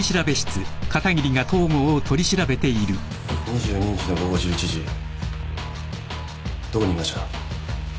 ２２日の午後１１時どこにいました？